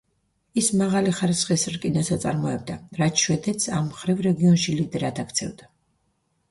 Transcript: ის მაღალი ხარისხის რკინას აწარმოებდა, რაც შვედეთს ამ მხრივ რეგიონში ლიდერად აქცევდა.